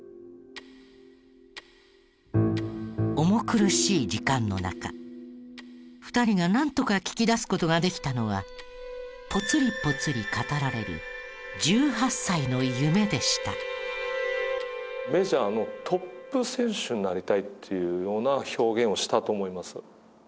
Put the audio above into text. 重苦しい時間の中２人がなんとか聞き出す事ができたのはぽつりぽつり語られる１８歳の夢でした。というような表現をしたと思います。